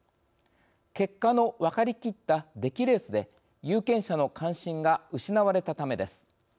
結果の分かりきった出来レースで有権者の関心が失われたためです。